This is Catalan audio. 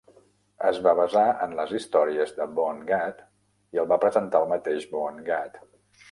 Es va basar en les històries de Vonnegut i el va presentar el mateix Vonnegut.